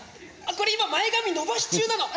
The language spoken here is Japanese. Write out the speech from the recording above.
これ今前髪伸ばし中なの。